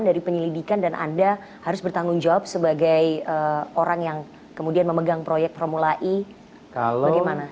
dari penyelidikan dan anda harus bertanggung jawab sebagai orang yang kemudian memegang proyek formula e bagaimana